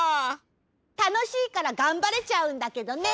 たのしいからがんばれちゃうんだけどね！